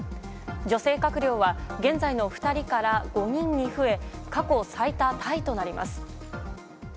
女性閣僚は、現在の２人から５人に増え、過去最多タイとなります。